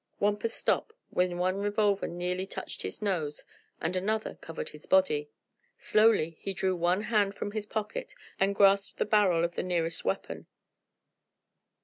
Wampus stopped when one revolver nearly touched his nose and another covered his body. Slowly he drew one hand from his pocket and grasped the barrel of the nearest weapon.